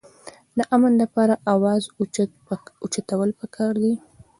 د امن دپاره اواز اوچتول پکار دي